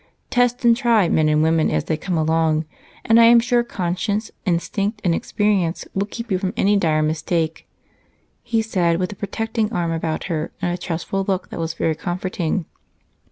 Test and try men and women as they come along, and I am sure conscience, instinct, and experience will keep you from any dire mistake," he said, with a protecting arm about her and a trustful look that was very comforting.